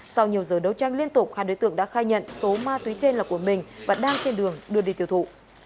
sau nhiều giờ đấu tranh liên tục hai đối tượng đã khai nhận số ma túy trên là của mình và đang trên đường đưa đi tiêu thụ